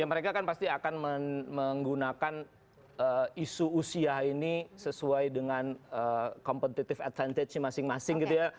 ya mereka kan pasti akan menggunakan isu usia ini sesuai dengan competitive advantage masing masing gitu ya